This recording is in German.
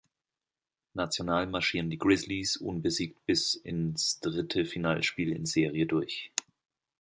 National marschieren die Grizzlies unbesiegt bis ins dritte Finalspiel in Serie durch.